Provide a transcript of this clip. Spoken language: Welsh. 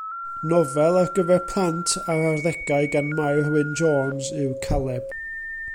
Nofel ar gyfer plant a'r arddegau gan Mair Wynn Hughes yw Caleb.